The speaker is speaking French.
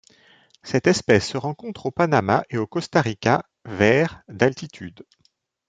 Cette espèce se rencontre au Panama et au Costa Rica vers d'altitude.